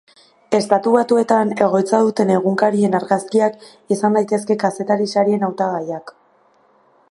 Estatu Batuetan egoitza duten egunkarien argazkiak izan daitezke kazetaritza-sarien hautagaiak.